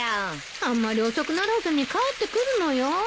あんまり遅くならずに帰ってくるのよ。